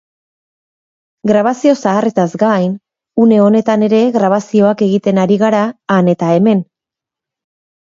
Grabazio zaharretaz gain, une honetan ere grabazioak egiten ari gara han eta hemen.